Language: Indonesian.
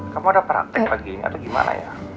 kamu ada praktek pagi ini atau gimana ya